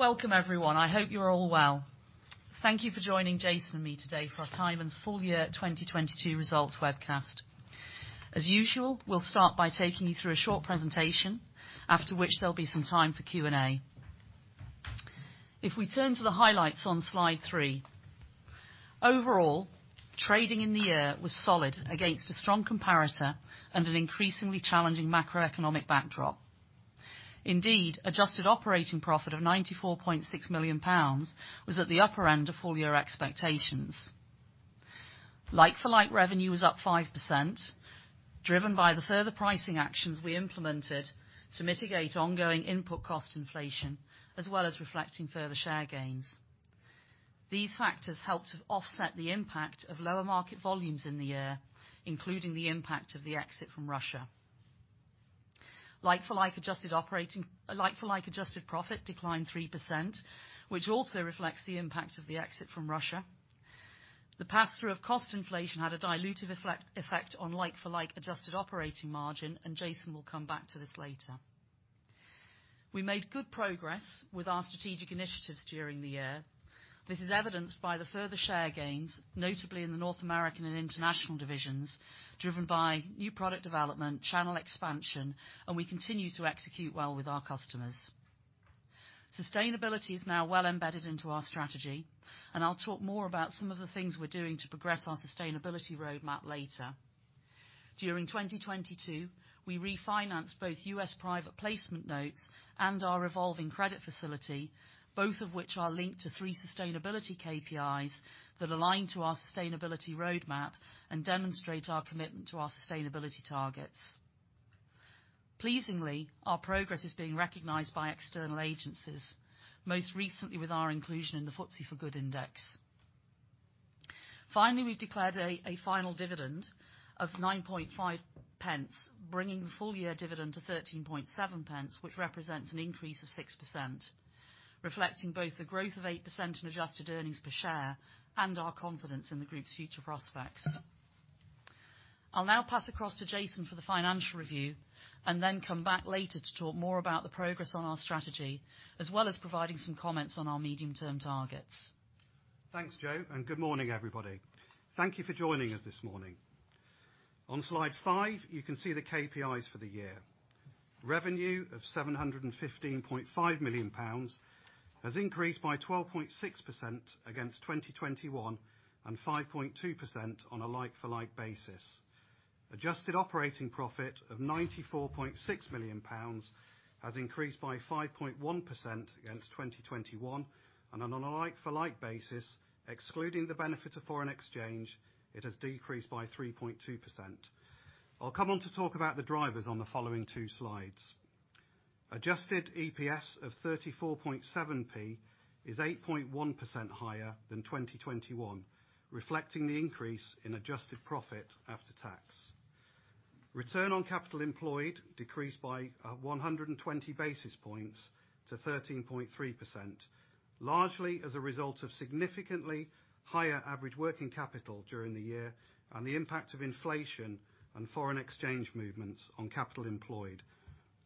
Welcome everyone. I hope you're all well. Thank you for joining Jason and me today for Tyman's full year 2022 results webcast. As usual, we'll start by taking you through a short presentation, after which there'll be some time for Q&A. If we turn to the highlights on Slide 3. Overall, trading in the year was solid against a strong comparator and an increasingly challenging macroeconomic backdrop. Indeed, adjusted operating profit of 94.6 million pounds was at the upper end of full year expectations. Like for like revenue was up 5%, driven by the further pricing actions we implemented to mitigate ongoing input cost inflation, as well as reflecting further share gains. These factors helped to offset the impact of lower market volumes in the year, including the impact of the exit from Russia. Like for like adjusted operating... Like for like adjusted profit declined 3%, which also reflects the impact of the exit from Russia. The pass-through of cost inflation had a dilutive effect on like for like adjusted operating margin. Jason will come back to this later. We made good progress with our strategic initiatives during the year. This is evidenced by the further share gains, notably in the North American and international divisions, driven by new product development, channel expansion. We continue to execute well with our customers. Sustainability is now well embedded into our strategy. I'll talk more about some of the things we're doing to progress our sustainability roadmap later. During 2022, we refinanced both U.S. private placement notes and our revolving credit facility, both of which are linked to three sustainability KPIs that align to our sustainability roadmap and demonstrate our commitment to our sustainability targets. Pleasingly, our progress is being recognized by external agencies, most recently with our inclusion in the FTSE4Good Index. Finally, we've declared a final dividend of 0.095, bringing the full year dividend to 0.137, which represents an increase of 6%, reflecting both the growth of 8% in adjusted earnings per share and our confidence in the group's future prospects. I'll now pass across to Jason for the financial review and then come back later to talk more about the progress on our strategy, as well as providing some comments on our medium-term targets. Thanks, Jo. Good morning, everybody. Thank you for joining us this morning. On Slide 5, you can see the KPIs for the year. Revenue of 715.5 million pounds has increased by 12.6% against 2021 and 5.2% on a like-for-like basis. Adjusted operating profit of 94.6 million pounds has increased by 5.1% against 2021 and on a like-for-like basis, excluding the benefit of foreign exchange, it has decreased by 3.2%. I'll come on to talk about the drivers on the following two slides. Adjusted EPS of 0.347 is 8.1% higher than 2021, reflecting the increase in Adjusted profit after tax. Return on capital employed decreased by 120 basis points to 13.3%, largely as a result of significantly higher average working capital during the year and the impact of inflation and foreign exchange movements on capital employed,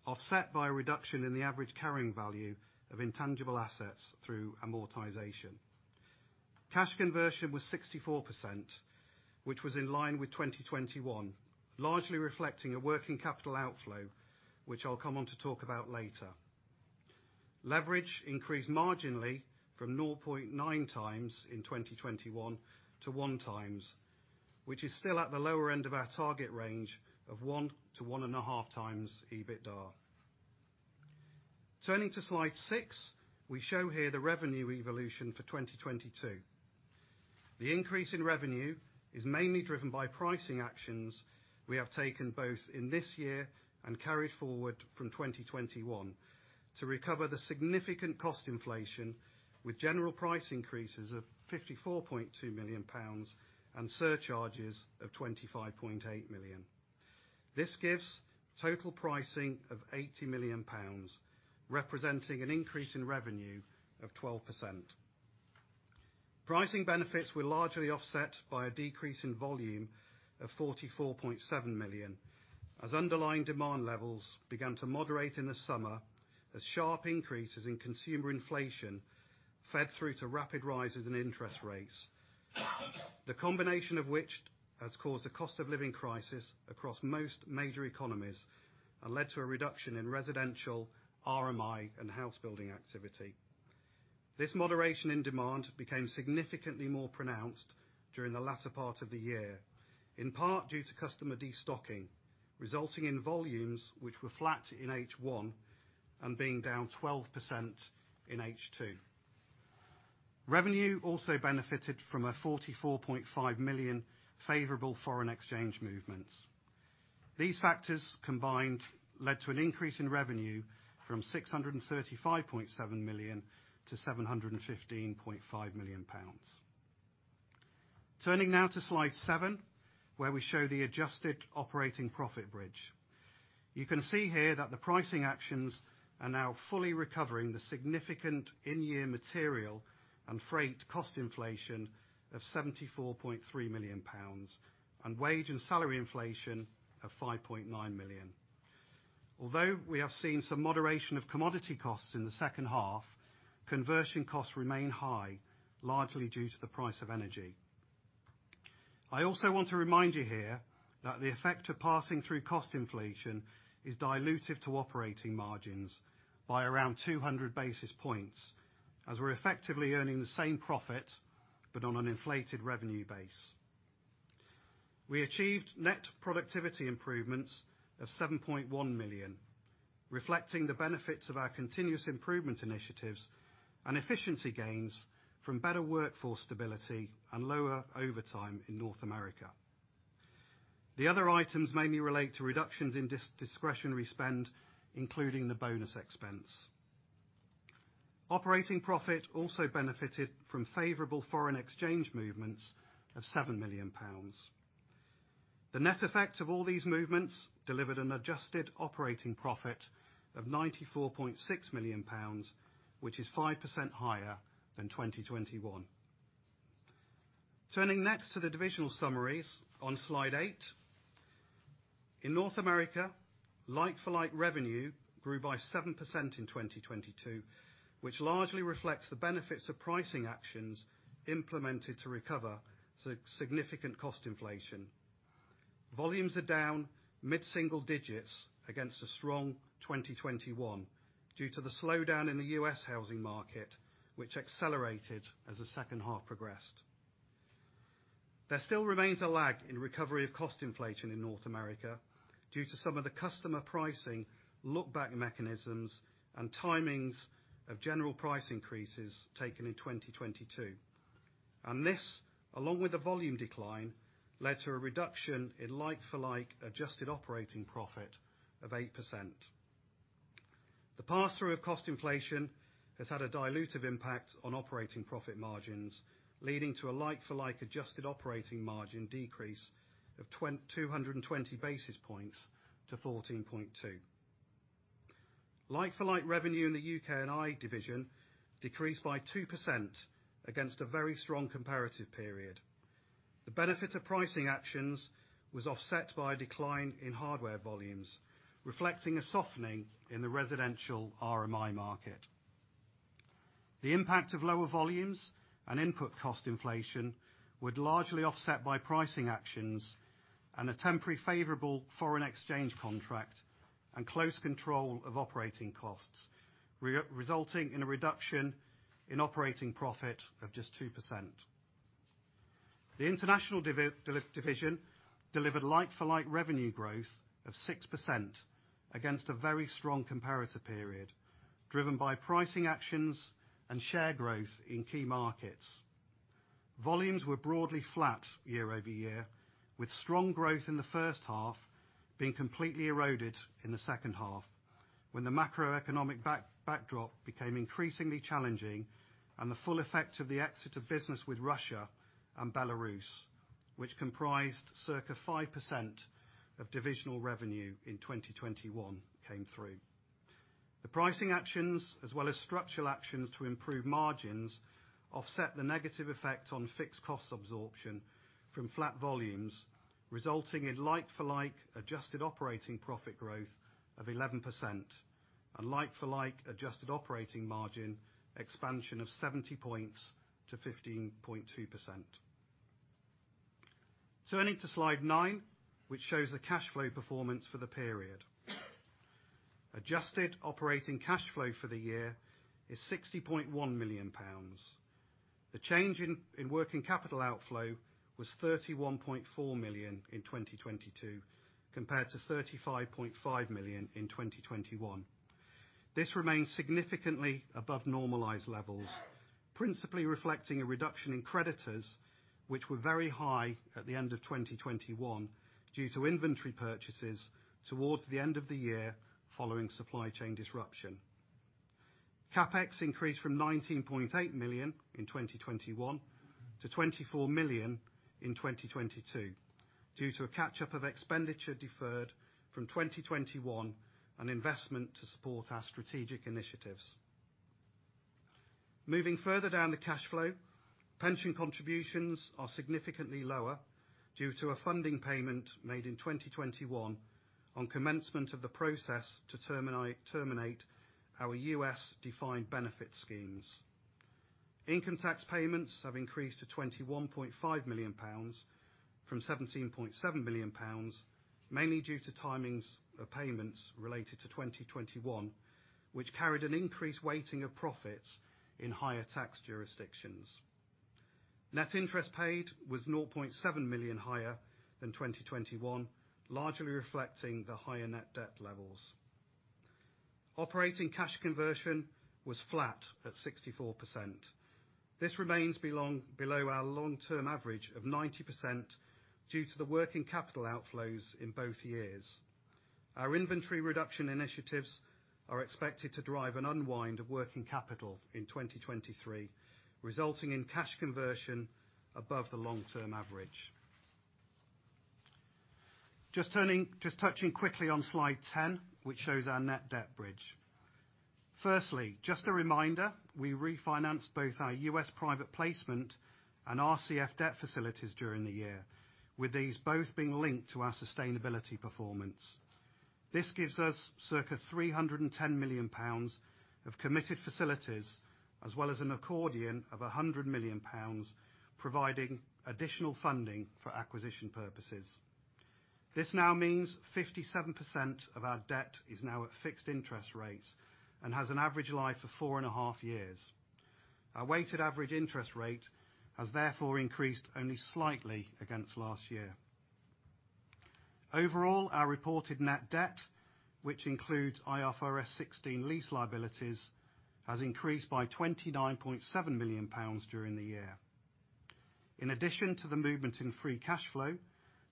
offset by a reduction in the average carrying value of intangible assets through amortization. Cash conversion was 64%, which was in line with 2021, largely reflecting a working capital outflow, which I'll come on to talk about later. Leverage increased marginally from 0.9x in 2021 to 1x, which is still at the lower end of our target range of 1x-1.5x EBITDA. Turning to Slide 6, we show here the revenue evolution for 2022. The increase in revenue is mainly driven by pricing actions we have taken both in this year and carried forward from 2021 to recover the significant cost inflation with general price increases of 54.2 million pounds and surcharges of 25.8 million. This gives total pricing of 80 million pounds, representing an increase in revenue of 12%. Pricing benefits were largely offset by a decrease in volume of 44.7 million, as underlying demand levels began to moderate in the summer, as sharp increases in consumer inflation fed through to rapid rises in interest rates, the combination of which has caused a cost of living crisis across most major economies and led to a reduction in residential RMI and house building activity. This moderation in demand became significantly more pronounced during the latter part of the year, in part due to customer destocking, resulting in volumes which were flat in H1 and being down 12% in H2. Revenue also benefited from a 44.5 million favorable foreign exchange movements. These factors combined led to an increase in revenue from 635.7 million-715.5 million pounds. Turning now to Slide 7, where we show the adjusted operating profit bridge. You can see here that the pricing actions are now fully recovering the significant in-year material and freight cost inflation of 74.3 million pounds and wage and salary inflation of 5.9 million. We have seen some moderation of commodity costs in the second half, conversion costs remain high, largely due to the price of energy. I also want to remind you here that the effect of passing through cost inflation is dilutive to operating margins by around 200 basis points, as we're effectively earning the same profit, but on an inflated revenue base. We achieved net productivity improvements of 7.1 million, reflecting the benefits of our continuous improvement initiatives and efficiency gains from better workforce stability and lower overtime in North America. The other items mainly relate to reductions in discretionary spend, including the bonus expense. Operating profit also benefited from favorable foreign exchange movements of 7 million pounds. The net effect of all these movements delivered an Adjusted operating profit of 94.6 million pounds, which is 5% higher than 2021. Turning next to the divisional summaries on Slide 8. In North America, like-for-like revenue grew by 7% in 2022, which largely reflects the benefits of pricing actions implemented to recover significant cost inflation. Volumes are down mid-single digits against a strong 2021 due to the slowdown in the U.S. housing market, which accelerated as the second half progressed. There still remains a lag in recovery of cost inflation in North America due to some of the customer pricing look-back mechanisms and timings of general price increases taken in 2022. This, along with the volume decline, led to a reduction in like-for-like adjusted operating profit of 8%. The pass-through of cost inflation has had a dilutive impact on operating profit margins, leading to a like-for-like adjusted operating margin decrease of 220 basis points to 14.2. Like-for-like revenue in the U.K. & I division decreased by 2% against a very strong comparative period. The benefit of pricing actions was offset by a decline in hardware volumes, reflecting a softening in the residential RMI market. The impact of lower volumes and input cost inflation were largely offset by pricing actions and a temporary favorable foreign exchange contract and close control of operating costs, resulting in a reduction in operating profit of just 2%. The international division delivered like-for-like revenue growth of 6% against a very strong comparative period, driven by pricing actions and share growth in key markets. Volumes were broadly flat year-over-year, with strong growth in the first half being completely eroded in the second half, when the macroeconomic back-backdrop became increasingly challenging and the full effect of the exit of business with Russia and Belarus, which comprised circa 5% of divisional revenue in 2021, came through. The pricing actions, as well as structural actions to improve margins, offset the negative effect on fixed cost absorption from flat volumes, resulting in like-for-like Adjusted operating profit growth of 11% and like-for-like adjusted operating margin expansion of 70 points to 15.2%. Turning to Slide 9, which shows the cash flow performance for the period. Adjusted operating cash flow for the year is GBP 60.1 million. The change in working capital outflow was GBP 31.4 million in 2022, compared to GBP 35.5 million in 2021. This remains significantly above normalized levels, principally reflecting a reduction in creditors, which were very high at the end of 2021 due to inventory purchases towards the end of the year following supply chain disruption. CapEx increased from 19.8 million in 2021 to 24 million in 2022 due to a catch-up of expenditure deferred from 2021 and investment to support our strategic initiatives. Moving further down the cash flow, pension contributions are significantly lower due to a funding payment made in 2021 on commencement of the process to terminate our U.S. defined benefit schemes. Income tax payments have increased to 21.5 million pounds from 17.7 million pounds, mainly due to timings of payments related to 2021, which carried an increased weighting of profits in higher tax jurisdictions. Net interest paid was 0.7 million higher than 2021, largely reflecting the higher net debt levels. Operating cash conversion was flat at 64%. This remains below our long-term average of 90% due to the working capital outflows in both years. Our inventory reduction initiatives are expected to drive an unwind of working capital in 2023, resulting in cash conversion above the long-term average. Just touching quickly on Slide 10, which shows our net debt bridge. Firstly, just a reminder, we refinanced both our U.S. private placement and RCF debt facilities during the year, with these both being linked to our sustainability performance. This gives us circa 310 million pounds of committed facilities, as well as an accordion of 100 million pounds, providing additional funding for acquisition purposes. This now means 57% of our debt is now at fixed interest rates and has an average life of four and a half years. Our weighted average interest rate has therefore increased only slightly against last year. Our reported net debt, which includes IFRS 16 lease liabilities, has increased by 29.7 million pounds during the year. In addition to the movement in free cash flow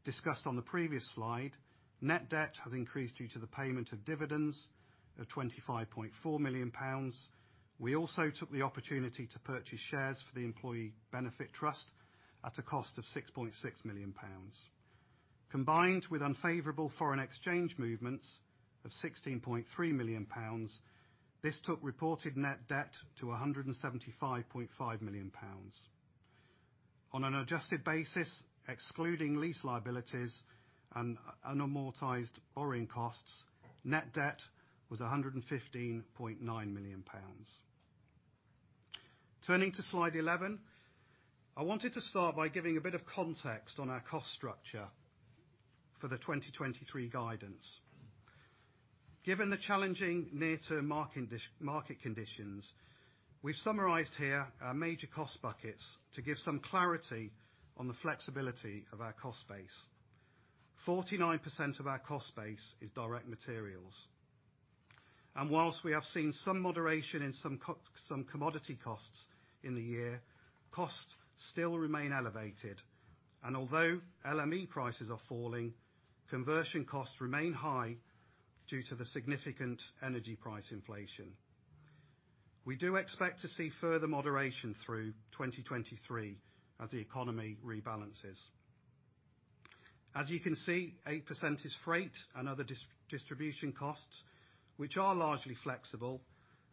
discussed on the previous slide, net debt has increased due to the payment of dividends of 25.4 million pounds. We also took the opportunity to purchase shares for the employee benefit trust at a cost of 6.6 million pounds. Combined with unfavorable foreign exchange movements of 16.3 million pounds, this took reported net debt to 175.5 million pounds. On an adjusted basis, excluding lease liabilities and unamortized borrowing costs, net debt was 115.9 million pounds. Turning to Slide 11, I wanted to start by giving a bit of context on our cost structure for the 2023 guidance. Given the challenging near-term market conditions, we've summarized here our major cost buckets to give some clarity on the flexibility of our cost base. 49% of our cost base is direct materials. Whilst we have seen some moderation in some commodity costs in the year, costs still remain elevated. Although LME prices are falling, conversion costs remain high due to the significant energy price inflation. We do expect to see further moderation through 2023 as the economy rebalances. As you can see, 8% is freight and other distribution costs, which are largely flexible,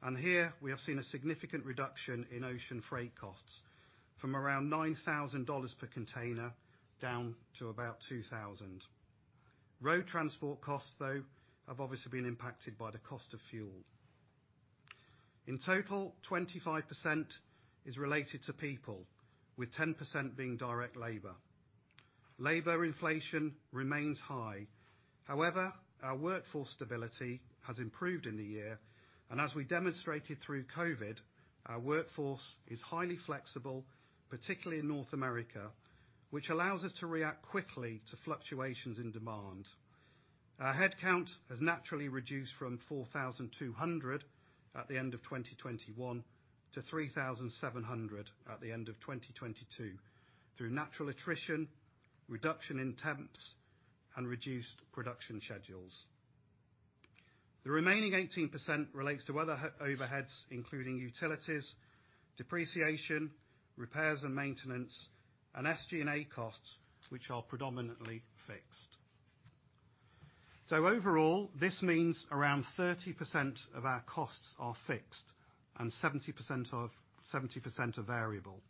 and here we have seen a significant reduction in ocean freight costs from around $9,000 per container down to about $2,000. Road transport costs, though, have obviously been impacted by the cost of fuel. In total, 25% is related to people, with 10% being direct labor. Labor inflation remains high. However, our workforce stability has improved in the year, and as we demonstrated through COVID, our workforce is highly flexible, particularly in North America, which allows us to react quickly to fluctuations in demand. Our headcount has naturally reduced from 4,200 at the end of 2021 to 3,700 at the end of 2022, through natural attrition, reduction in temps, and reduced production schedules. The remaining 18% relates to other overheads, including utilities, depreciation, repairs and maintenance, and SG&A costs, which are predominantly fixed. Overall, this means around 30% of our costs are fixed and 70% are variable.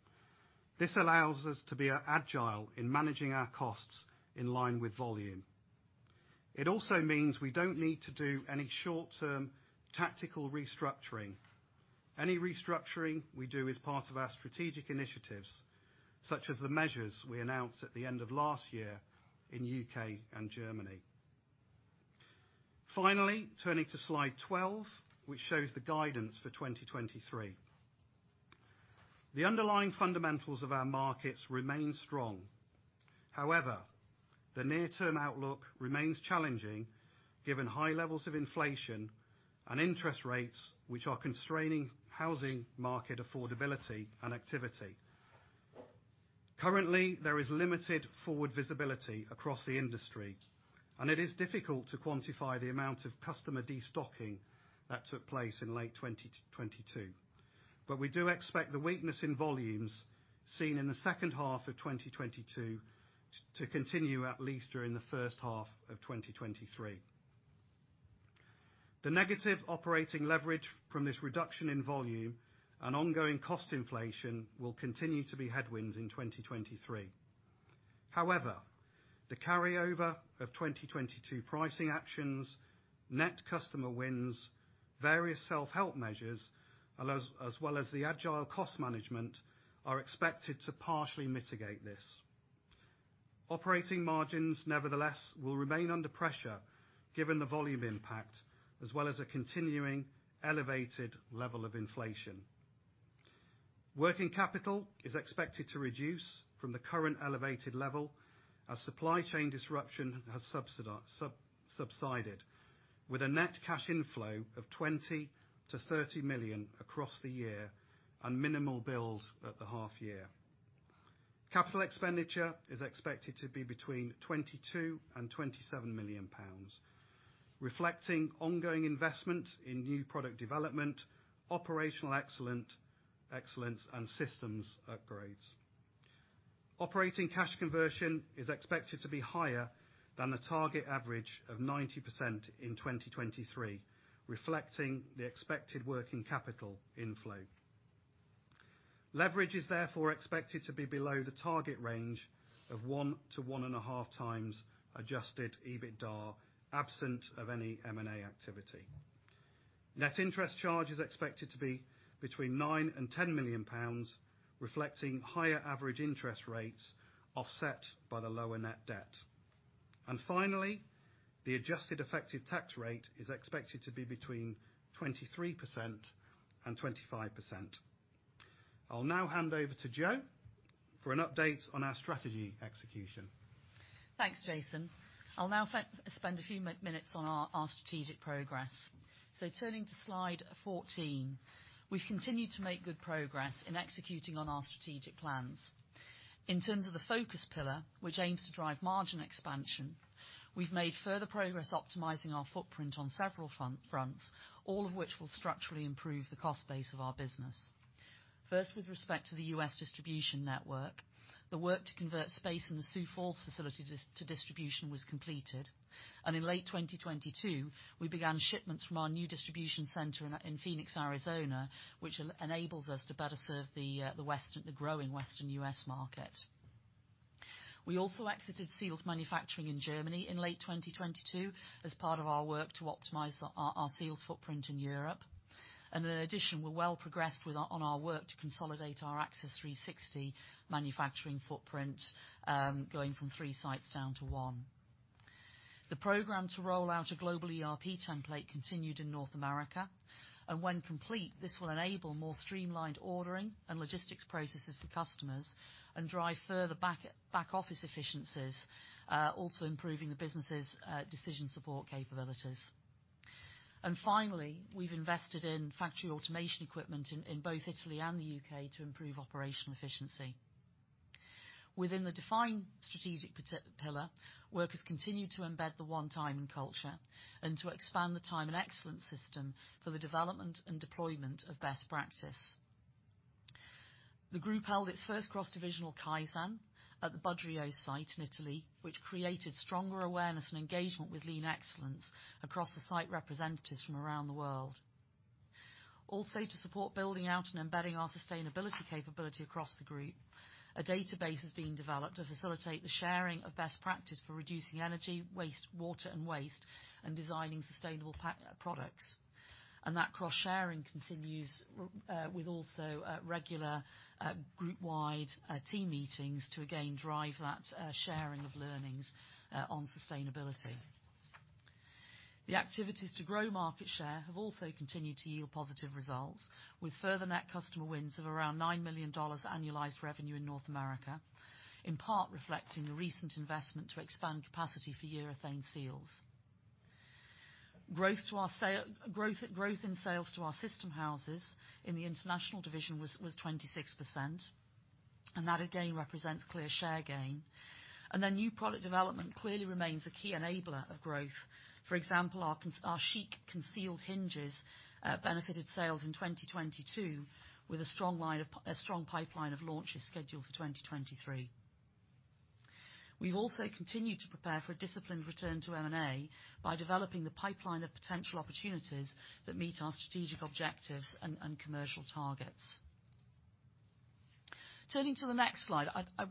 This allows us to be agile in managing our costs in line with volume. It also means we don't need to do any short-term tactical restructuring. Any restructuring we do is part of our strategic initiatives, such as the measures we announced at the end of last year in U.K. and Germany. Finally, turning to Slide 12, which shows the guidance for 2023. The underlying fundamentals of our markets remain strong. However, the near-term outlook remains challenging given high levels of inflation and interest rates, which are constraining housing market affordability and activity. Currently, there is limited forward visibility across the industry. It is difficult to quantify the amount of customer destocking that took place in late 2022. We do expect the weakness in volumes seen in the second half of 2022 to continue at least during the first half of 2023. The negative operating leverage from this reduction in volume and ongoing cost inflation will continue to be headwinds in 2023. However, the carryover of 2022 pricing actions, net customer wins, various self-help measures, as well as the agile cost management, are expected to partially mitigate this. Operating margins, nevertheless, will remain under pressure given the volume impact, as well as a continuing elevated level of inflation. Working capital is expected to reduce from the current elevated level as supply chain disruption has subsided, with a net cash inflow of 20 million-30 million across the year and minimal bills at the half year. Capital expenditure is expected to be between 22 million and 27 million pounds, reflecting ongoing investment in new product development, operational excellence, and systems upgrades. Operating cash conversion is expected to be higher than the target average of 90% in 2023, reflecting the expected working capital inflow. Leverage is therefore expected to be below the target range of 1x to 1.5x Adjusted EBITDA, absent of any M&A activity. Net interest charge is expected to be between 9 million and 10 million pounds, reflecting higher average interest rates offset by the lower net debt. Finally, the adjusted effective tax rate is expected to be between 23% and 25%. I'll now hand over to Jo for an update on our strategy execution. Thanks, Jason. I'll now spend a few minutes on our strategic progress. Turning to Slide 14. We've continued to make good progress in executing on our strategic plans. In terms of the focus pillar, which aims to drive margin expansion, we've made further progress optimizing our footprint on several fronts, all of which will structurally improve the cost base of our business. First, with respect to the U.S. distribution network, the work to convert space in the Sioux Falls facility to distribution was completed, and in late 2022, we began shipments from our new distribution center in Phoenix, Arizona, which enables us to better serve the growing Western U.S. market. We also exited seals manufacturing in Germany in late 2022 as part of our work to optimize our seals footprint in Europe. In addition, we're well progressed on our work to consolidate our Access 360 manufacturing footprint, going from three sites down to one. The program to roll out a global ERP template continued in North America, and when complete, this will enable more streamlined ordering and logistics processes for customers and drive further back-office efficiencies, also improving the business's decision support capabilities. Finally, we've invested in factory automation equipment in both Italy and the U.K. to improve operational efficiency. Within the defined strategic pillar, work has continued to embed the One Tyman culture and to expand the Tyman Excellence System for the development and deployment of best practice. The group held its first cross-divisional Kaizen at the Budrio site in Italy, which created stronger awareness and engagement with lean excellence across the site representatives from around the world. Also, to support building out and embedding our sustainability capability across the group, a database is being developed to facilitate the sharing of best practice for reducing energy, waste, water and waste, and designing sustainable products. That cross-sharing continues with also regular group-wide team meetings to again drive that sharing of learnings on sustainability. The activities to grow market share have also continued to yield positive results, with further net customer wins of around $9 million annualized revenue in North America, in part reflecting the recent investment to expand capacity for urethane seals. Growth in sales to our system houses in the international division was 26%, and that again represents clear share gain. New product development clearly remains a key enabler of growth. For example, our CHIC concealed hinges benefited sales in 2022 with a strong pipeline of launches scheduled for 2023. We've also continued to prepare for a disciplined return to M&A by developing the pipeline of potential opportunities that meet our strategic objectives and commercial targets. Turning to the next slide.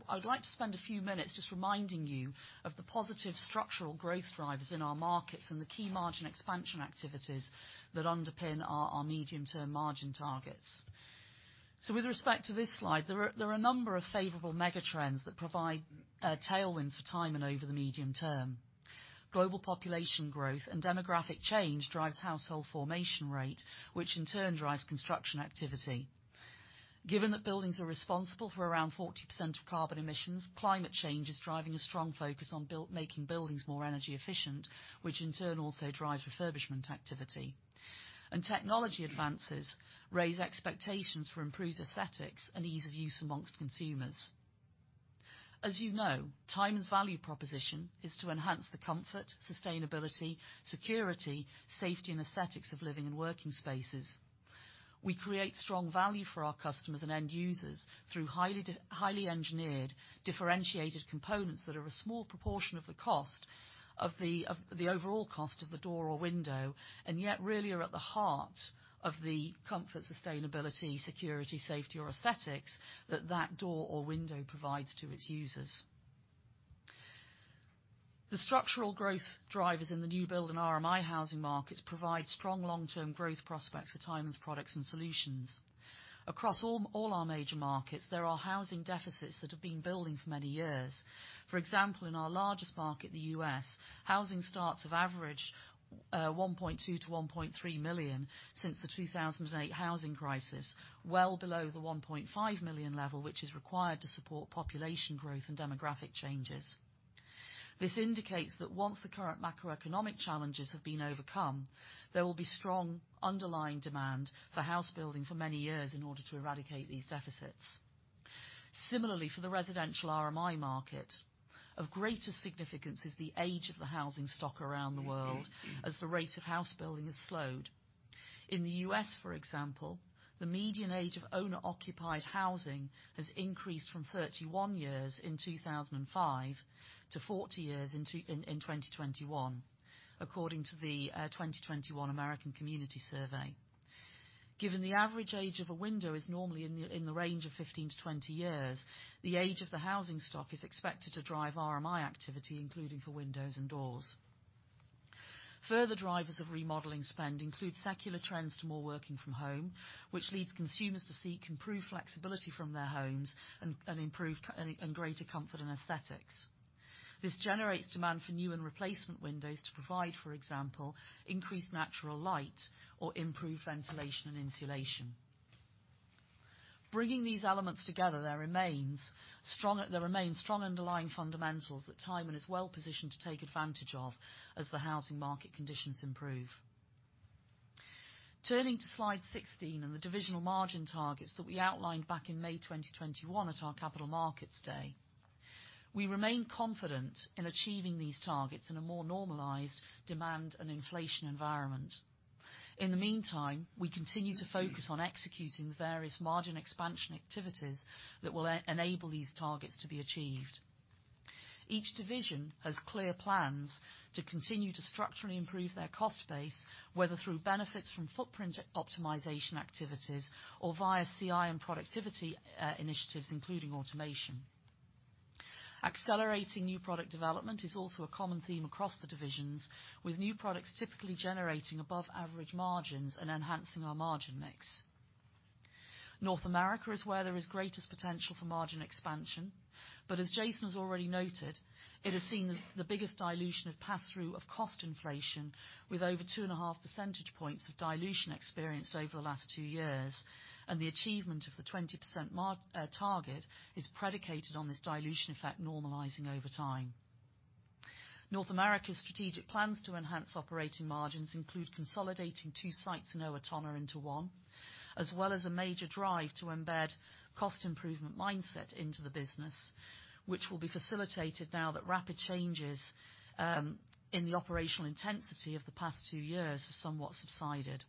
I'd like to spend a few minutes just reminding you of the positive structural growth drivers in our markets and the key margin expansion activities that underpin our medium-term margin targets. With respect to this slide, there are a number of favorable mega trends that provide tailwinds for Tyman over the medium term. Global population growth and demographic change drives household formation rate, which in turn drives construction activity. Given that buildings are responsible for around 40% of carbon emissions, climate change is driving a strong focus on making buildings more energy efficient, which in turn also drives refurbishment activity. Technology advances raise expectations for improved aesthetics and ease of use among consumers. As you know, Tyman's value proposition is to enhance the comfort, sustainability, security, safety, and aesthetics of living and working spaces. We create strong value for our customers and end users through highly engineered, differentiated components that are a small proportion of the cost, of the overall cost of the door or window, and yet really are at the heart of the comfort, sustainability, security, safety, or aesthetics that that door or window provides to its users. The structural growth drivers in the new build and RMI housing markets provide strong long-term growth prospects for Tyman's products and solutions. Across all our major markets, there are housing deficits that have been building for many years. For example, in our largest market, the U.S., housing starts have averaged $1.2 million-$1.3 million since the 2008 housing crisis, well below the $1.5 million level, which is required to support population growth and demographic changes. This indicates that once the current macroeconomic challenges have been overcome, there will be strong underlying demand for house building for many years in order to eradicate these deficits. Similarly, for the residential RMI market, of greater significance is the age of the housing stock around the world as the rate of house building has slowed. In the U.S., for example, the median age of owner-occupied housing has increased from 31 years in 2005 to 40 years in 2021 according to the 2021 American Community Survey. Given the average age of a window is normally in the range of 15 to 20 years, the age of the housing stock is expected to drive RMI activity, including for windows and doors. Further drivers of remodeling spend include secular trends to more working from home, which leads consumers to seek improved flexibility from their homes and greater comfort and aesthetics. This generates demand for new and replacement windows to provide, for example, increased natural light or improved ventilation and insulation. Bringing these elements together, there remains strong underlying fundamentals that Tyman is well-positioned to take advantage of as the housing market conditions improve. Turning to Slide 16 and the divisional margin targets that we outlined back in May 2021 at our Capital Markets Day. We remain confident in achieving these targets in a more normalized demand and inflation environment. In the meantime, we continue to focus on executing the various margin expansion activities that will e-enable these targets to be achieved. Each division has clear plans to continue to structurally improve their cost base, whether through benefits from footprint optimization activities or via CI and productivity initiatives, including automation. Accelerating new product development is also a common theme across the divisions, with new products typically generating above-average margins and enhancing our margin mix. North America is where there is greatest potential for margin expansion, but as Jason has already noted, it has seen the biggest dilution of passthrough of cost inflation, with over 2.5 percentage points of dilution experienced over the last two years, and the achievement of the 20% target is predicated on this dilution effect normalizing over time. North America's strategic plans to enhance operating margins include consolidating two sites in Owatonna into one, as well as a major drive to embed cost improvement mindset into the business, which will be facilitated now that rapid changes in the operational intensity of the past two years have somewhat subsided.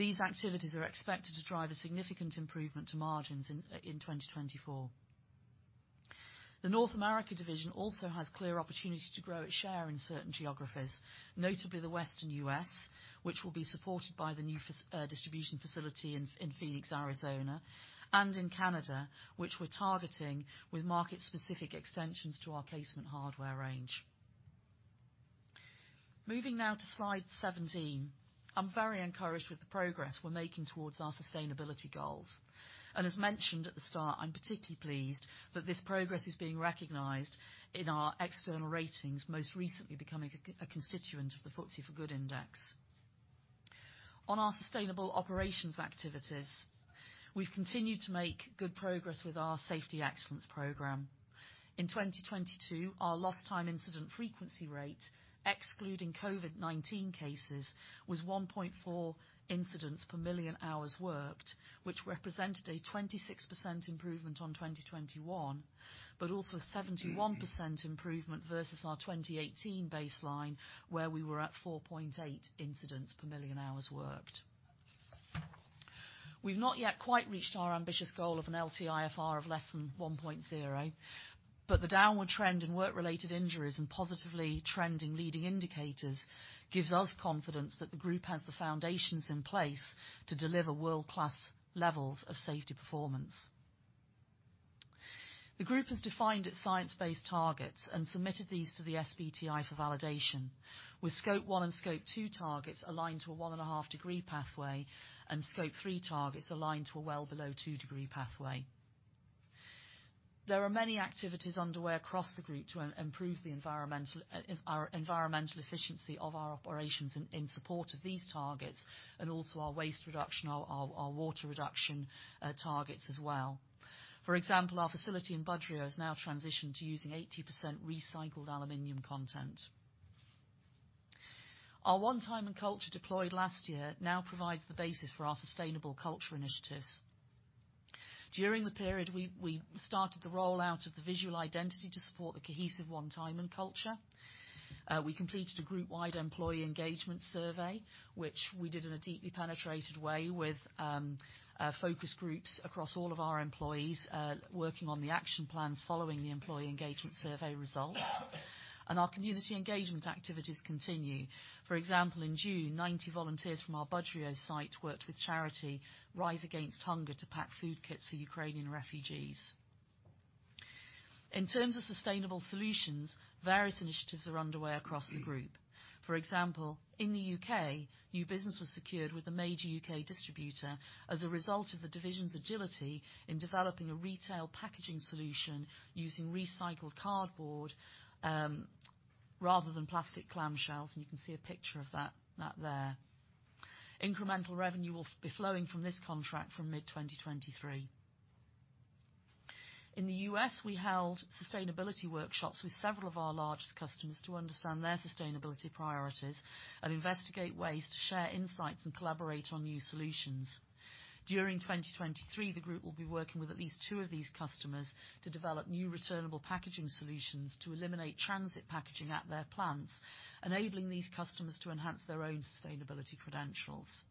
These activities are expected to drive a significant improvement to margins in 2024. The North America division also has clear opportunity to grow its share in certain geographies, notably the Western U.S., which will be supported by the new distribution facility in Phoenix, Arizona, and in Canada, which we're targeting with market-specific extensions to our placement hardware range. Moving now to Slide 17. I'm very encouraged with the progress we're making towards our sustainability goals. As mentioned at the start, I'm particularly pleased that this progress is being recognized in our external ratings, most recently becoming a constituent of the FTSEGood Index. On our sustainable operations activities, we've continued to make good progress with our Safety Excellence program. In 2022, our lost time incident frequency rate, excluding COVID-19 cases, was 1.4 incidents per million hours worked, which represented a 26% improvement on 2021, but also 71% improvement versus our 2018 baseline, where we were at 4.8 incidents per million hours worked. We've not yet quite reached our ambitious goal of an LTIFR of less than 1.0, but the downward trend in work-related injuries and positively trending leading indicators gives us confidence that the group has the foundations in place to deliver world-class levels of safety performance. The group has defined its science-based targets and submitted these to the SBTi for validation, with Scope 1 and Scope 2 targets aligned to a one and half degree pathway and Scope 3 targets aligned to a well below two degree pathway. There are many activities underway across the group to improve the environmental, our environmental efficiency of our operations in support of these targets and also our waste reduction, our water reduction targets as well. For example, our facility in Budrio has now transitioned to using 80% recycled aluminum content. Our One Tyman culture deployed last year now provides the basis for our sustainable culture initiatives. During the period, we started the rollout of the visual identity to support the cohesive One Tyman culture. We completed a group-wide employee engagement survey, which we did in a deeply penetrated way with focus groups across all of our employees, working on the action plans following the employee engagement survey results. Our community engagement activities continue. For example, in June, 90 volunteers from our Budrio site worked with charity Rise Against Hunger to pack food kits for Ukrainian refugees. In terms of sustainable solutions, various initiatives are underway across the group. For example, in the U.K., new business was secured with a major U.K. distributor as a result of the division's agility in developing a retail packaging solution using recycled cardboard, rather than plastic clamshells, and you can see a picture of that there. Incremental revenue will be flowing from this contract from mid-2023. In the U.S., we held sustainability workshops with several of our largest customers to understand their sustainability priorities and investigate ways to share insights and collaborate on new solutions. During 2023, the group will be working with at least two of these customers to develop new returnable packaging solutions to eliminate transit packaging at their plants, enabling these customers to enhance their own sustainability credentials.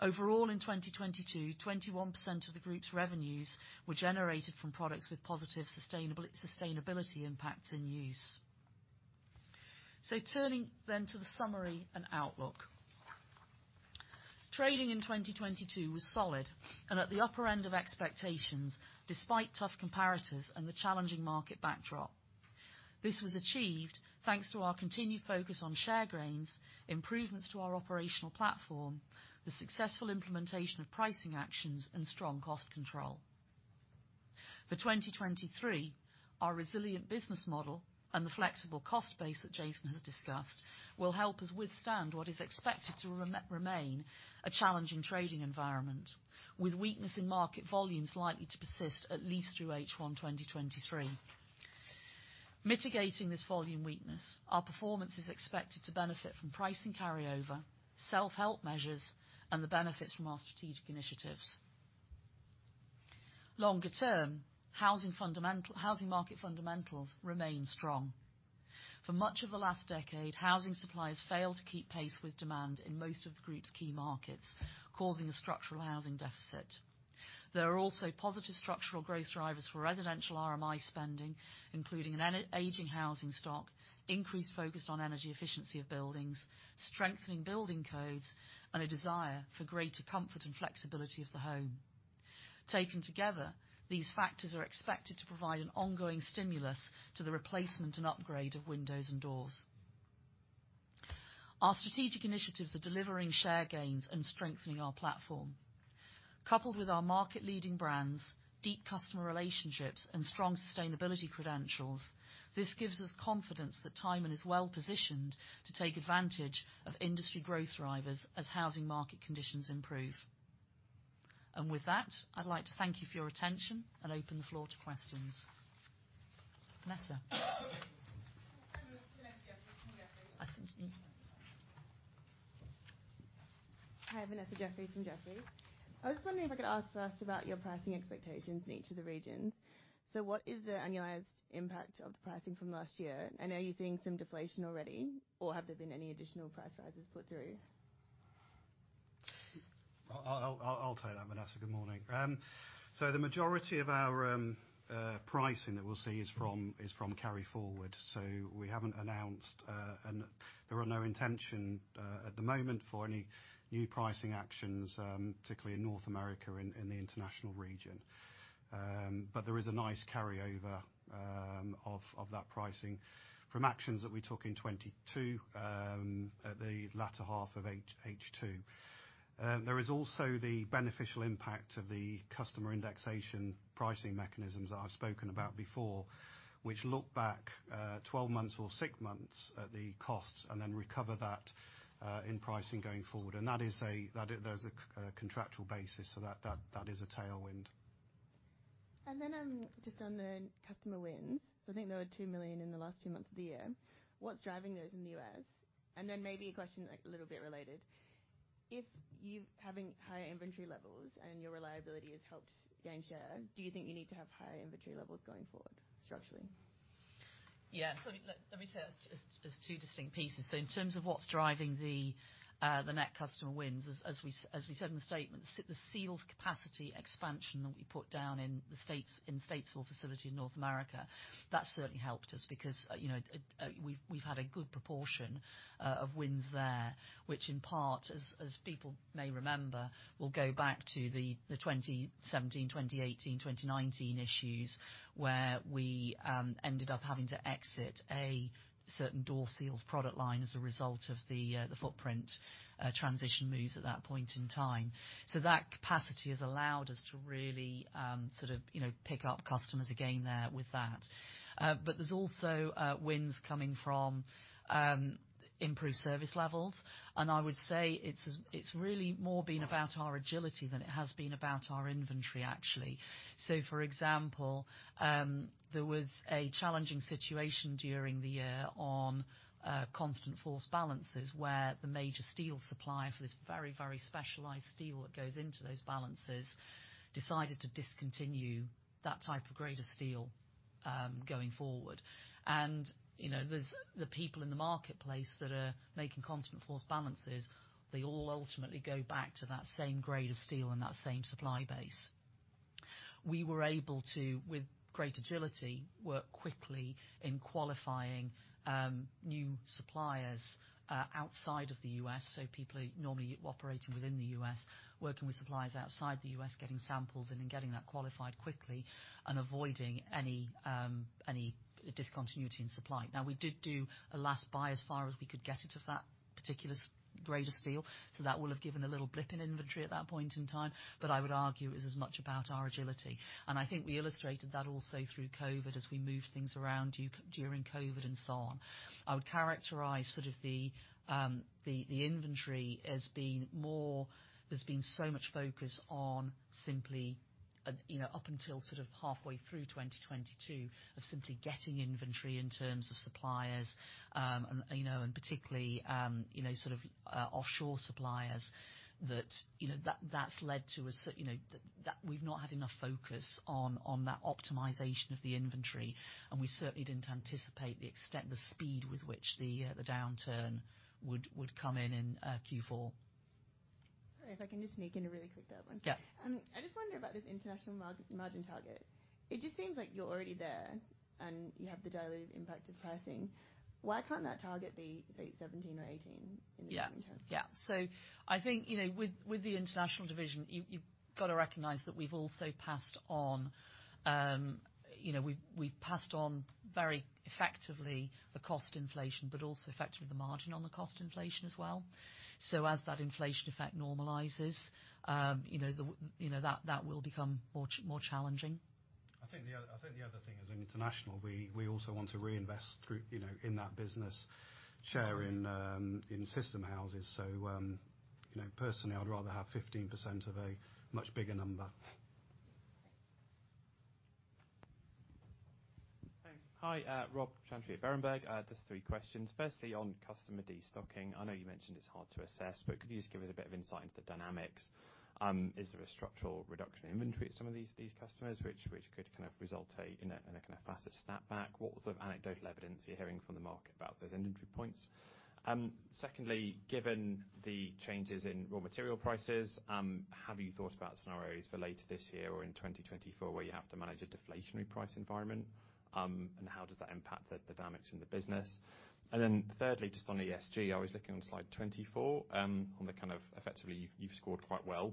Overall, in 2022, 21% of the group's revenues were generated from products with positive sustainability impacts in use. Turning then to the summary and outlook. Trading in 2022 was solid and at the upper end of expectations, despite tough comparators and the challenging market backdrop. This was achieved thanks to our continued focus on share gains, improvements to our operational platform, the successful implementation of pricing actions, and strong cost control. For 2023, our resilient business model and the flexible cost base that Jason has discussed will help us withstand what is expected to remain a challenging trading environment, with weakness in market volumes likely to persist at least through H1 2023. Mitigating this volume weakness, our performance is expected to benefit from pricing carryover, self-help measures, and the benefits from our strategic initiatives. Longer term, housing market fundamentals remain strong. For much of the last decade, housing suppliers failed to keep pace with demand in most of the group's key markets, causing a structural housing deficit. There are also positive structural growth drivers for residential RMI spending, including an aging housing stock, increased focus on energy efficiency of buildings, strengthening building codes, and a desire for greater comfort and flexibility of the home. Taken together, these factors are expected to provide an ongoing stimulus to the replacement and upgrade of windows and doors. Our strategic initiatives are delivering share gains and strengthening our platform. Coupled with our market-leading brands, deep customer relationships, and strong sustainability credentials, this gives us confidence that Tyman is well-positioned to take advantage of industry growth drivers as housing market conditions improve. With that, I'd like to thank you for your attention and open the floor to questions. Vanessa. Can I have Vanessa Jeffriess from Jefferies? I think she's leaving. Hi, Vanessa Jeffriess from Jefferies. I was wondering if I could ask first about your pricing expectations in each of the regions. What is the annualized impact of the pricing from last year? Are you seeing some deflation already, or have there been any additional price rises put through? I'll take that, Vanessa. Good morning. The majority of our pricing that we'll see is from carry forward. We haven't announced, and there are no intention at the moment for any new pricing actions, particularly in North America in the International Region. There is a nice carryover of that pricing from actions that we took in 22 at the latter half of H2. There is also the beneficial impact of the customer indexation pricing mechanisms that I've spoken about before, which look back 12 months or six months at the costs and then recover that in pricing going forward. That is a contractual basis so that is a tailwind. Just on the customer wins, so I think there were $2 million in the last two months of the year. What's driving those in the U.S.? A question, like, a little bit related. If you're having higher inventory levels and your reliability has helped gain share, do you think you need to have higher inventory levels going forward structurally? Let me say that's just two distinct pieces. In terms of what's driving the net customer wins, as we said in the statement, the seals capacity expansion that we put down in the States, in the Statesville facility in North America, that certainly helped us because, you know, we've had a good proportion of wins there, which in part, as people may remember, will go back to the 2017, 2018, 2019 issues where we ended up having to exit a certain door seals product line as a result of the footprint transition moves at that point in time. That capacity has allowed us to really, sort of, you know, pick up customers again there with that. There's also wins coming from improved service levels. I would say it's as, it's really more been about our agility than it has been about our inventory, actually. For example, there was a challenging situation during the year on constant force balances, where the major steel supplier for this very, very specialized steel that goes into those balances decided to discontinue that type of grade of steel going forward. You know, there's the people in the marketplace that are making constant force balances, they all ultimately go back to that same grade of steel and that same supply base. We were able to, with great agility, work quickly in qualifying new suppliers outside of the U.S. People normally operating within the U.S., working with suppliers outside the U.S., getting samples in and getting that qualified quickly and avoiding any discontinuity in supply. We did do a last buy as far as we could get it of that particular grade of steel, so that will have given a little blip in inventory at that point in time, but I would argue it was as much about our agility. I think we illustrated that also through COVID as we moved things around during COVID and so on. I would characterize sort of the inventory as being more... There's been so much focus on simply, and you know, up until sort of halfway through 2022, of simply getting inventory in terms of suppliers, and, you know, and particularly, you know, sort of, offshore suppliers that, you know, that we've not had enough focus on that optimization of the inventory, and we certainly didn't anticipate the extent, the speed with which the downturn would come in in Q4. Sorry, if I can just sneak in a really quick third one. Yeah. I just wonder about this international margin target. It just seems like you're already there, and you have the daily impact of pricing. Why can't that target be 8%, 17% or 18%?- Yeah. ..coming terms? I think, you know, with the International division, you've got to recognize that we've also passed on, you know, we've passed on very effectively the cost inflation, but also effective the margin on the cost inflation as well. As that inflation effect normalizes, you know, the, you know, that will become more challenging. I think the other thing is in International, we also want to reinvest through, you know, in that business share in system houses. you know, personally I'd rather have 15% of a much bigger number. Thanks. Thanks. Hi, Rob Chantry at Berenberg. Just three questions. Firstly, on customer destocking. I know you mentioned it's hard to assess, but could you just give us a bit of insight into the dynamics? Is there a structural reduction in inventory at some of these customers which could kind of result in a kind of faster snapback? What sort of anecdotal evidence are you hearing from the market about those entry points? Secondly, given the changes in raw material prices, have you thought about scenarios for later this year or in 2024, where you have to manage a deflationary price environment? How does that impact the dynamics in the business? Thirdly, just on ESG, I was looking on Slide 24, on the kind of effectively you've scored quite well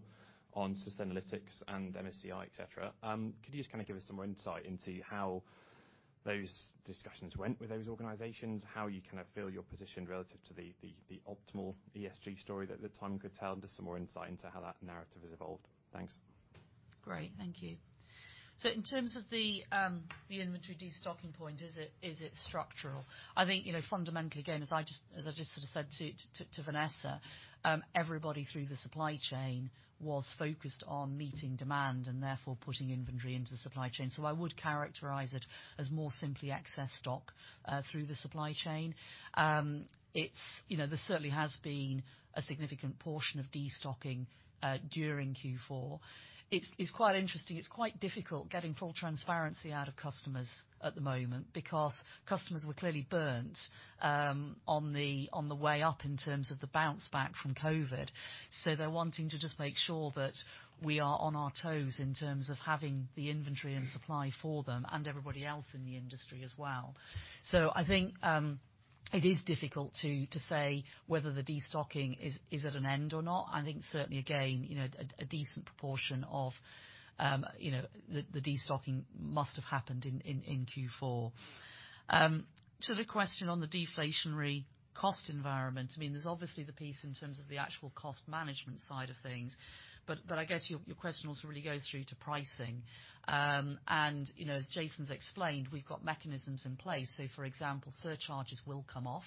on Sustainalytics and MSCI, et cetera. Could you just kinda give us some more insight into how those discussions went with those organizations? How you kinda feel you're positioned relative to the, the optimal ESG story that Tyman could tell? Just some more insight into how that narrative has evolved. Thanks. Great. Thank you. In terms of the inventory destocking point, is it structural? I think, you know, fundamentally, again, as I just sort of said to Vanessa, everybody through the supply chain was focused on meeting demand and therefore putting inventory into the supply chain. I would characterize it as more simply excess stock through the supply chain. It's, you know, there certainly has been a significant portion of destocking during Q4. It's quite interesting. It's quite difficult getting full transparency out of customers at the moment, because customers were clearly burnt on the way up in terms of the bounce back from COVID. They're wanting to just make sure that we are on our toes in terms of having the inventory and supply for them and everybody else in the industry as well. I think, it is difficult to say whether the destocking is at an end or not. I think certainly again, you know, a decent proportion of, you know, the destocking must have happened in Q4. To the question on the deflationary cost environment, I mean, there's obviously the piece in terms of the actual cost management side of things, but I guess your question also really goes through to pricing. You know, as Jason's explained, we've got mechanisms in place. For example, surcharges will come off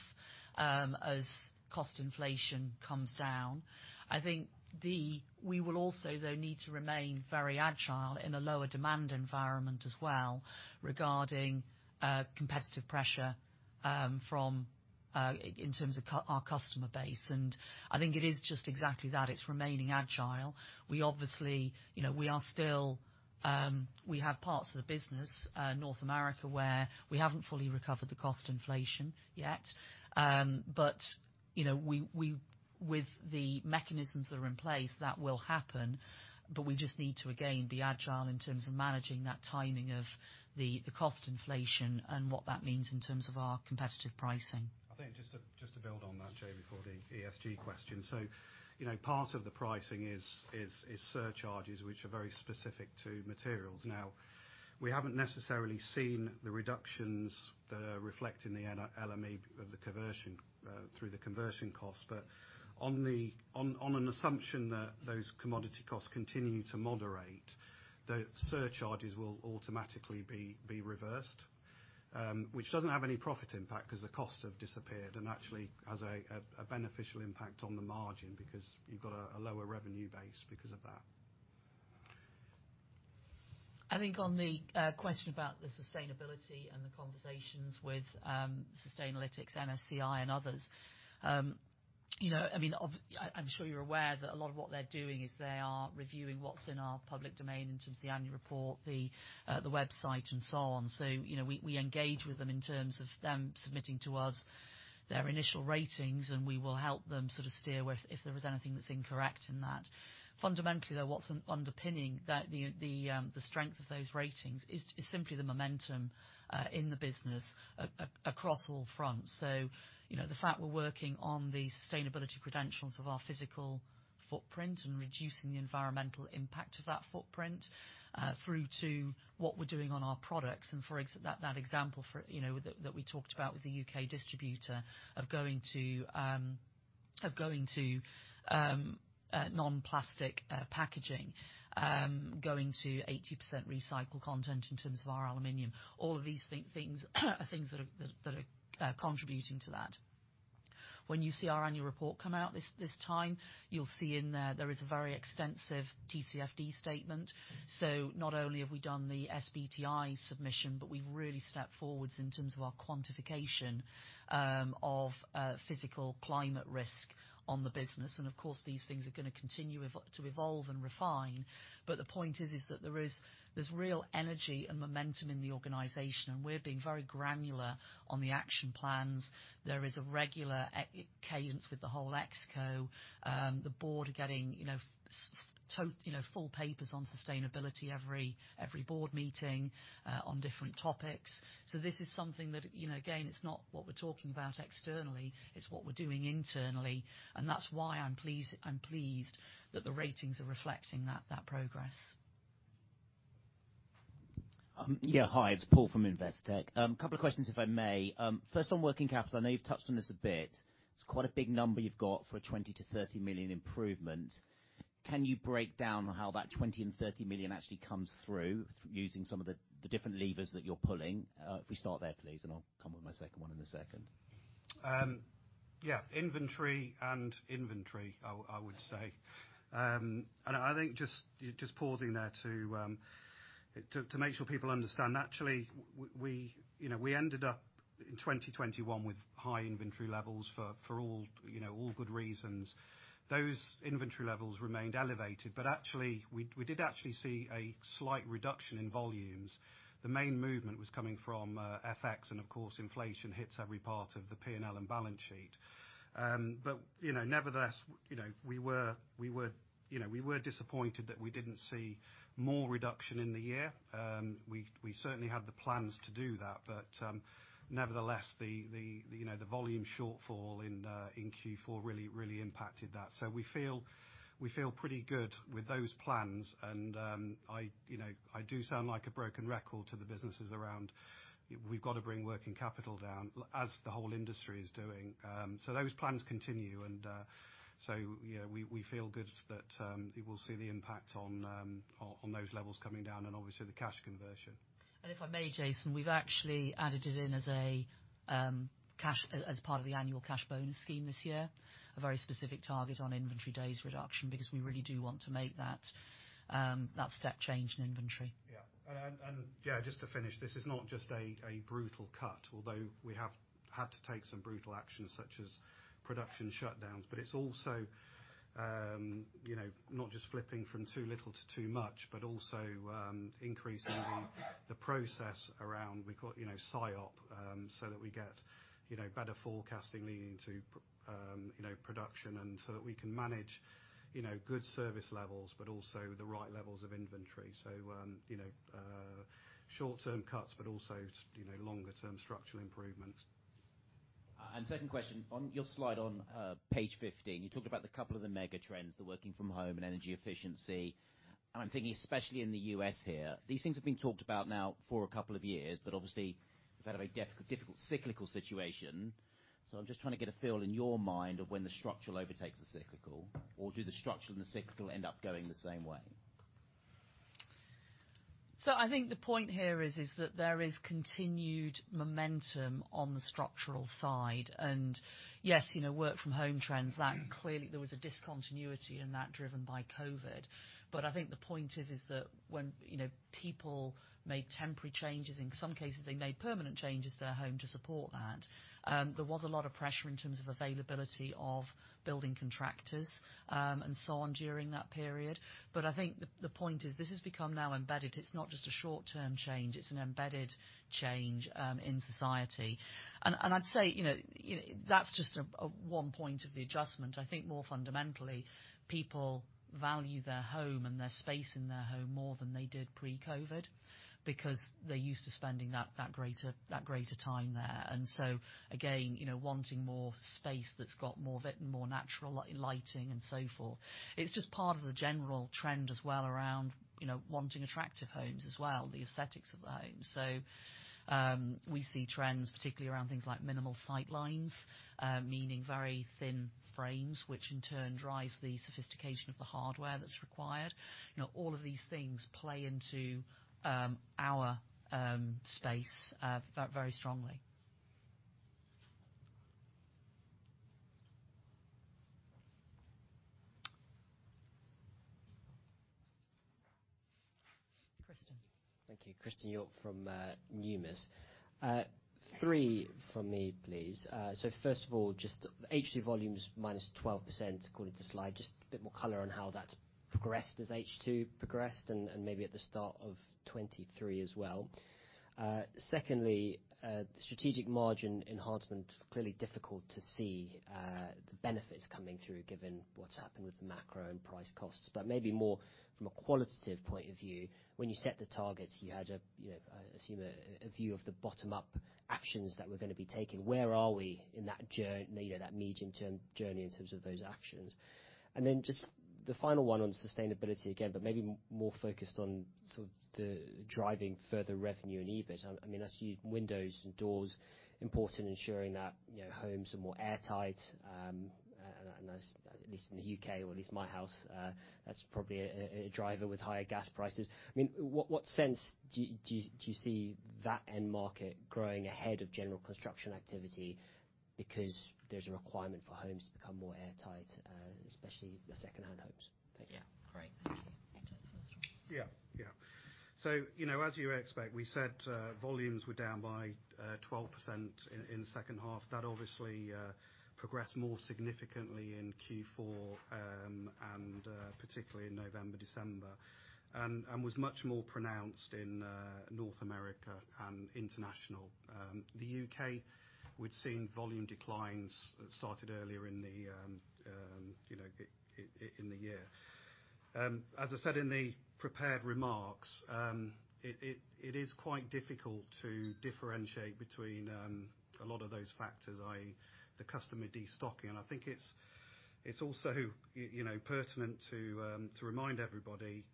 as cost inflation comes down. we will also though need to remain very agile in a lower demand environment as well regarding competitive pressure from in terms of our customer base. I think it is just exactly that. It's remaining agile. We obviously, you know, we are still, we have parts of the business, North America, where we haven't fully recovered the cost inflation yet. You know, we, with the mechanisms that are in place, that will happen, but we just need to again, be agile in terms of managing that timing of the cost inflation and what that means in terms of our competitive pricing. I think just to build on that, Jay, before the ESG question. You know, part of the pricing is surcharges, which are very specific to materials. We haven't necessarily seen the reductions that are reflected in the LME of the conversion through the conversion cost. On an assumption that those commodity costs continue to moderate, the surcharges will automatically be reversed. Which doesn't have any profit impact 'cause the costs have disappeared and actually has a beneficial impact on the margin because you've got a lower revenue base because of that. I think on the question about the sustainability and the conversations with Sustainalytics, MSCI and others, you know, I mean, I'm sure you're aware that a lot of what they're doing is they are reviewing what's in our public domain in terms of the annual report, the website and so on. You know, we engage with them in terms of them submitting to us their initial ratings, and we will help them sort of steer where, if there is anything that's incorrect in that. Fundamentally, though, what's underpinning the strength of those ratings is simply the momentum across all fronts. You know, the fact we're working on the sustainability credentials of our physical footprint and reducing the environmental impact of that footprint, through to what we're doing on our products and that example for, you know, that we talked about with the U.K. distributor of going to non-plastic packaging, going to 80% recycled content in terms of our aluminum. All of these things are things that are contributing to that. When you see our annual report come out this time, you'll see in there is a very extensive TCFD statement. Not only have we done the SBTi submission, but we've really stepped forwards in terms of our quantification of physical climate risk on the business. Of course, these things are gonna continue to evolve and refine. The point is, there's real energy and momentum in the organization, and we're being very granular on the action plans. There is a regular e-cadence with the whole ExCo, the board getting, you know, Total, you know, full papers on sustainability every board meeting on different topics. This is something that, you know, again, it's not what we're talking about externally, it's what we're doing internally, and that's why I'm pleased that the ratings are reflecting that progress. Yeah, hi, it's Paul from Investec. A couple of questions if I may. First on working capital, I know you've touched on this a bit. It's quite a big number you've got for a 20 million-30 million improvement. Can you break down how that 20 million and 30 million actually comes through using some of the different levers that you're pulling? If we start there, please, and I'll come with my second one in a second. Yeah. Inventory and inventory, I would say. I think just pausing there to make sure people understand, actually, you know, we ended up in 2021 with high inventory levels for all, you know, all good reasons. Those inventory levels remained elevated. Actually, we did actually see a slight reduction in volumes. The main movement was coming from FX and of course, inflation hits every part of the P&L and balance sheet. Nevertheless, you know, we were, you know, we were disappointed that we didn't see more reduction in the year. We certainly had the plans to do that. Nevertheless, the, you know, the volume shortfall in Q4 really impacted that. We feel pretty good with those plans and, I, you know, I do sound like a broken record to the businesses around, we've got to bring working capital down as the whole industry is doing. Those plans continue and, you know, we feel good that we will see the impact on those levels coming down and obviously the cash conversion. If I may, Jason, we've actually added it in as part of the annual cash bonus scheme this year, a very specific target on inventory days reduction because we really do want to make that step change in inventory. Yeah. Yeah, just to finish, this is not just a brutal cut, although we have had to take some brutal actions such as production shutdowns, but it's also, you know, not just flipping from too little to too much, but also, increasing the process around we've got, you know, S&OP, so that we get, you know, better forecasting leading to production and so that we can manage, you know, good service levels, but also the right levels of inventory. You know, short-term cuts, but also, you know, longer term structural improvements. Second question. On your slide on Page 15, you talked about the couple of the mega trends, the working from home and energy efficiency. I'm thinking especially in the U.S. here, these things have been talked about now for a couple of years, but obviously we've had a very difficult cyclical situation. I'm just trying to get a feel in your mind of when the structural overtakes the cyclical or do the structural and the cyclical end up going the same way? I think the point here is that there is continued momentum on the structural side. Yes, you know, work from home trends, that clearly there was a discontinuity in that driven by COVID. I think the point is that when, you know, people made temporary changes, in some cases they made permanent changes to their home to support that, there was a lot of pressure in terms of availability of building contractors, and so on during that period. I think the point is this has become now embedded. It's not just a short-term change, it's an embedded change in society. I'd say, you know, that's just a one point of the adjustment. I think more fundamentally, people value their home and their space in their home more than they did pre-COVID because they're used to spending that greater time there. Again, you know, wanting more space that's got more natural lighting and so forth. It's just part of the general trend as well around, you know, wanting attractive homes as well, the aesthetics of the home. We see trends particularly around things like minimal sight lines, meaning very thin frames, which in turn drives the sophistication of the hardware that's required. You know, all of these things play into our space very strongly. Christian. Thank you. Christian [inaudible] from Numis. Three from me, please. First of all, just H2 volumes minus 12% according to slide. Just a bit more color on how that's progressed as H2 progressed and maybe at the start of 2023 as well. Secondly, strategic margin enhancement, clearly difficult to see the benefits coming through given what's happened with the macro and price costs. Maybe more from a qualitative point of view, when you set the targets, you had a, you know, I assume a view of the bottom up actions that were gonna be taken. Where are we in that, you know, that medium term journey in terms of those actions? Then just the final one on sustainability again, but maybe more focused on sort of the driving further revenue in EBIT. I mean, as you, windows and doors, important ensuring that, you know, homes are more airtight, and, at least in the U.K. or at least my house, that's probably a driver with higher gas prices. I mean, what sense do you see that end market growing ahead of general construction activity because there's a requirement for homes to become more airtight, especially the second-hand homes? Thank you. Yeah. Great. Thank you. Yeah. Yeah. You know, as you expect, we said, volumes were down by 12% in second half. That obviously, progressed more significantly in Q4, and particularly in November, December. Was much more pronounced in North America and international. The U.K. we'd seen volume declines that started earlier in the, you know, in the year. As I said in the prepared remarks, it is quite difficult to differentiate between a lot of those factors, i.e. the customer destocking. I think it's also, you know, pertinent to remind everybody,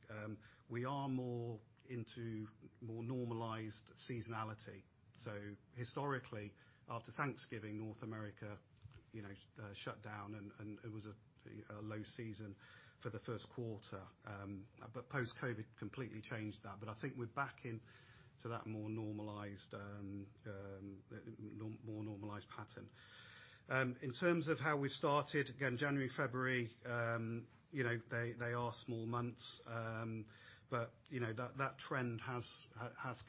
we are more into more normalized seasonality. Historically, after Thanksgiving, North America, you know, shut down and it was a low season for the first quarter. Post-COVID completely changed that. I think we're back in to that more normalized pattern. In terms of how we've started, again, January, February, you know, they are small months. You know, that trend has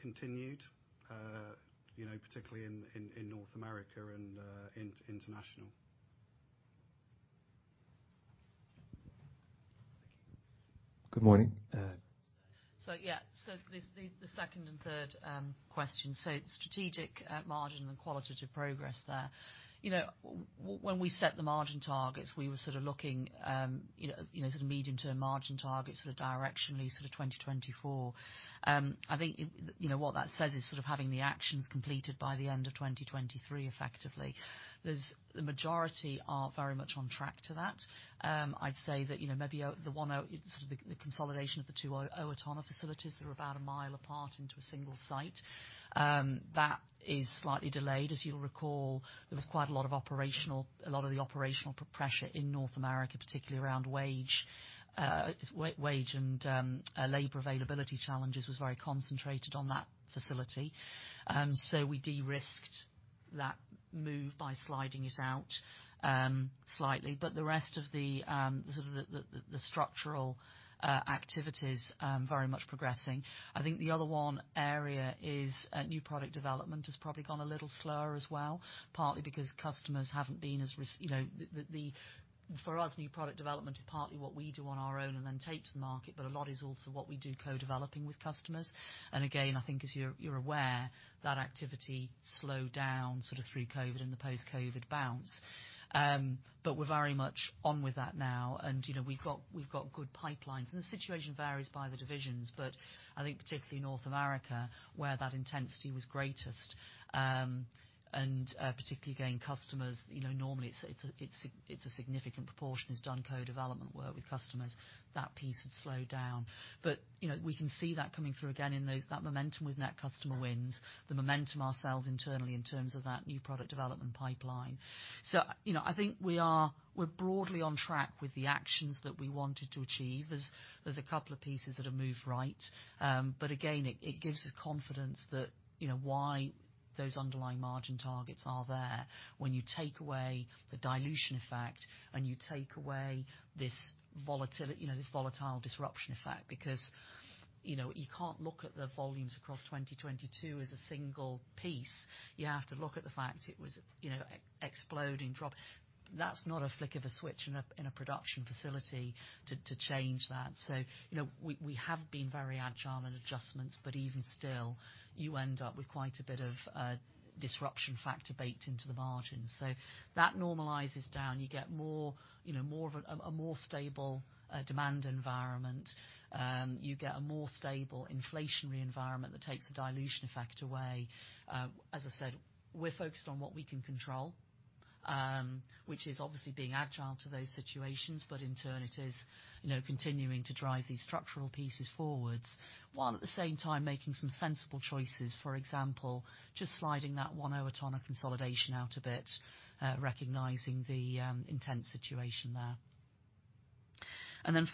continued, you know, particularly in North America and International. Good morning. Yeah. The second and third question. Strategic margin and qualitative progress there. You know, when we set the margin targets, we were sort of looking, you know, sort of medium-term margin targets sort of directionally sort of 2024. I think, you know, what that says is sort of having the actions completed by the end of 2023 effectively. The majority are very much on track to that. I'd say that, you know, maybe the one sort of the consolidation of the 2 Owatonna facilities that are about a mile apart into a single site, that is slightly delayed. As you'll recall, there was quite a lot of operational, a lot of the operational pressure in North America, particularly around wage and labor availability challenges was very concentrated on that facility. So we de-risked that move by sliding it out slightly. But the rest of the sort of the structural activities very much progressing. I think the other one area is new product development has probably gone a little slower as well, partly because customers haven't been as. You know, the... For us, new product development is partly what we do on our own and then take to the market, but a lot is also what we do co-developing with customers. Again, I think as you're aware, that activity slowed down sort of through COVID and the post-COVID bounce. We're very much on with that now. You know, we've got good pipelines, and the situation varies by the divisions. I think particularly in North America, where that intensity was greatest, and particularly again, customers, you know, normally it's a significant proportion, has done co-development work with customers. That piece had slowed down. You know, we can see that coming through again in those, that momentum with net customer wins, the momentum ourselves internally in terms of that new product development pipeline. You know, I think we are, we're broadly on track with the actions that we wanted to achieve. There's a couple of pieces that have moved right. Again, it gives us confidence that, you know, why those underlying margin targets are there when you take away the dilution effect and you take away this volatile disruption effect. You know, you can't look at the volumes across 2022 as a single piece. You have to look at the fact it was, you know, exploding, drop. That's not a flick of a switch in a, in a production facility to change that. You know, we have been very agile in adjustments, but even still, you end up with quite a bit of disruption factor baked into the margins. That normalizes down. You get more, you know, more of a more stable demand environment. You get a more stable inflationary environment that takes the dilution effect away. As I said, we're focused on what we can control, which is obviously being agile to those situations. In turn, it is, you know, continuing to drive these structural pieces forwards, while at the same time making some sensible choices. For example, just sliding that one Owatonna consolidation out a bit, recognizing the intense situation there.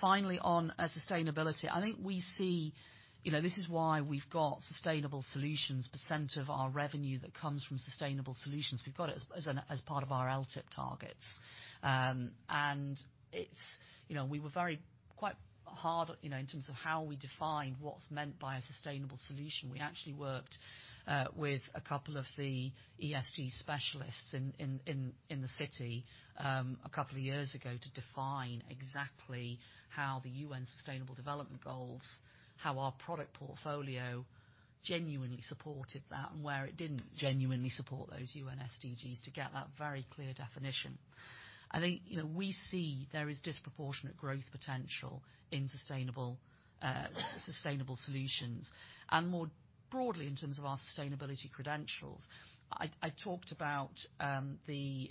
Finally on sustainability, I think we see. You know, this is why we've got sustainable solutions, percent of our revenue that comes from sustainable solutions. We've got it as part of our LTIP targets. It's, you know, we were very quite hard, you know, in terms of how we define what's meant by a sustainable solution. We actually worked with a couple of the ESG specialists in the city, two years ago to define exactly how the UN Sustainable Development Goals, how our product portfolio genuinely supported that and where it didn't genuinely support those UN SDGs to get that very clear definition. I think, you know, we see there is disproportionate growth potential in sustainable solutions. More broadly, in terms of our sustainability credentials, I talked about the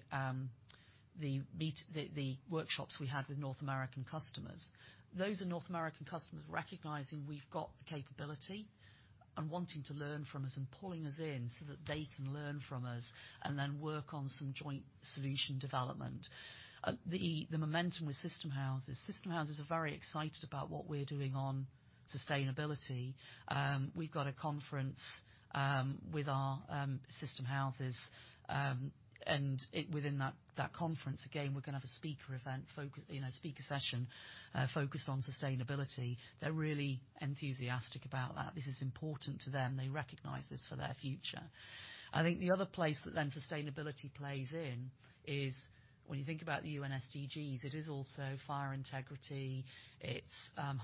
workshops we had with North American customers. Those are North American customers recognizing we've got the capability and wanting to learn from us and pulling us in so that they can learn from us and then work on some joint solution development. The momentum with system houses. System houses are very excited about what we're doing on sustainability. We've got a conference with our system houses. Within that conference, again, we're gonna have a speaker event focus, you know, speaker session focused on sustainability. They're really enthusiastic about that. This is important to them. They recognize this for their future. I think the other place that then sustainability plays in is when you think about the UN SDGs, it is also fire integrity, it's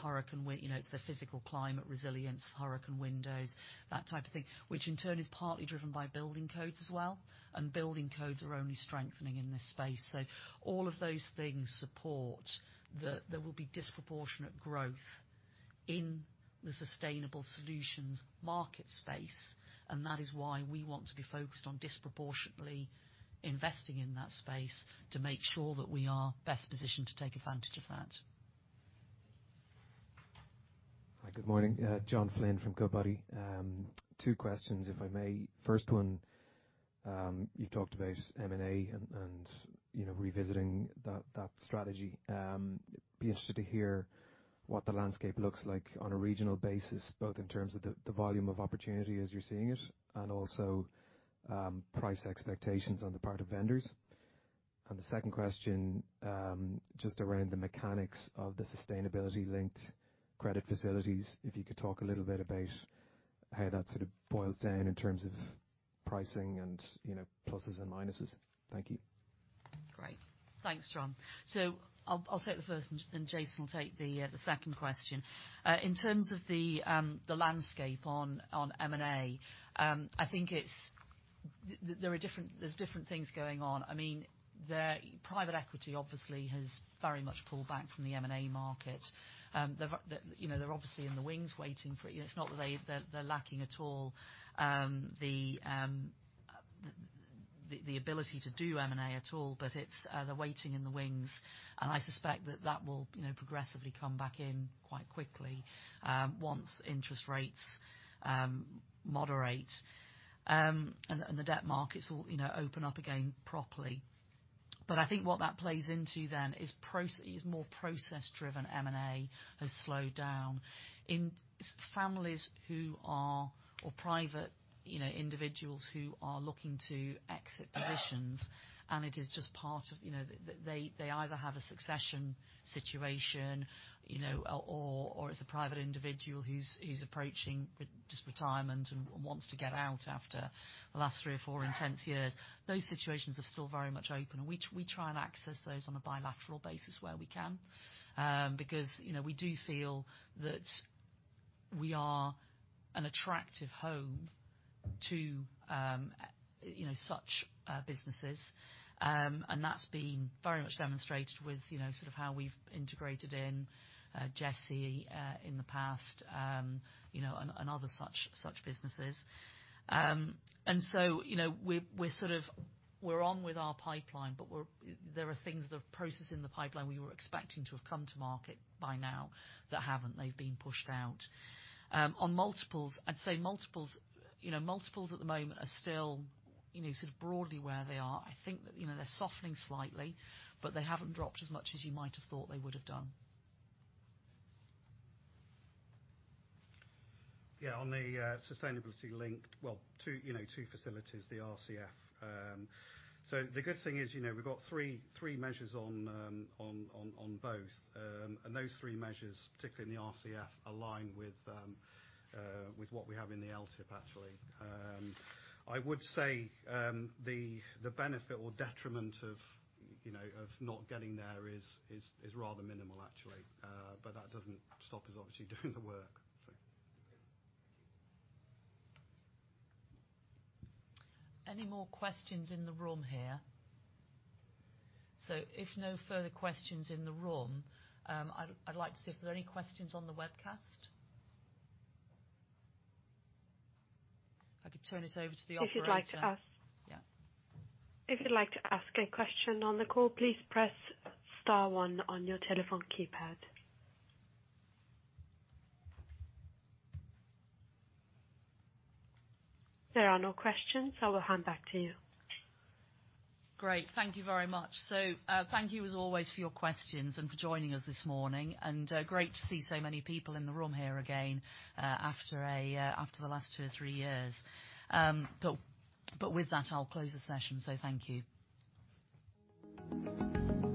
hurricane, you know, it's the physical climate resilience, hurricane windows, that type of thing, which in turn is partly driven by building codes as well, and building codes are only strengthening in this space. All of those things support. There will be disproportionate growth in the sustainable solutions market space, and that is why we want to be focused on disproportionately investing in that space to make sure that we are best positioned to take advantage of that. Hi, good morning. John Flynn from Goodbody. Two questions if I may. First one, you talked about M&A and, you know, revisiting that strategy. Be interested to hear what the landscape looks like on a regional basis, both in terms of the volume of opportunity as you're seeing it and also, price expectations on the part of vendors. The second question, just around the mechanics of the sustainability linked credit facilities. If you could talk a little bit about how that sort of boils down in terms of pricing and, you know, pluses and minuses. Thank you. Great. Thanks, John. I'll take the first one, and Jason will take the second question. In terms of the landscape on M&A, I think it's. There are different, there's different things going on. I mean, the private equity obviously has very much pulled back from the M&A market. The, you know, they're obviously in the wings waiting for. You know, it's not that they're lacking at all, the ability to do M&A at all, but it's, they're waiting in the wings. I suspect that that will, you know, progressively come back in quite quickly, once interest rates moderate, and the debt markets will, you know, open up again properly. I think what that plays into then is process, is more process-driven M&A has slowed down. In families who are, or private, you know, individuals who are looking to exit positions, and it is just part of, you know, they either have a succession situation, you know, or it's a private individual who's approaching just retirement and wants to get out after the last three or four intense years, those situations are still very much open. We try and access those on a bilateral basis where we can. Because, you know, we do feel that we are an attractive home to, you know, such businesses. And that's been very much demonstrated with, you know, sort of how we've integrated in Giesse in the past, you know, and other such businesses. You know, we're sort of, we're on with our pipeline, but we're- There are things, the process in the pipeline we were expecting to have come to market by now that haven't. They've been pushed out. On multiples, I'd say multiples, you know, multiples at the moment are still, you know, sort of broadly where they are. I think that, you know, they're softening slightly, but they haven't dropped as much as you might have thought they would have done. Yeah. On the sustainability link, two, you know, two facilities, the RCF. The good thing is, you know, we've got three measures on both. Those three measures, particularly in the RCF, align with what we have in the LTIP, actually. I would say the benefit or detriment of, you know, of not getting there is rather minimal, actually. That doesn't stop us obviously doing the work. Any more questions in the room here? If no further questions in the room, I'd like to see if there are any questions on the webcast. I could turn it over to the operator. If you'd like to. Yeah. If you'd like to ask a question on the call, please press star one on your telephone keypad. There are no questions. I will hand back to you. Great. Thank you very much. Thank you as always for your questions and for joining us this morning. Great to see so many people in the room here again, after the last two or three years. But with that, I'll close the session. Thank you.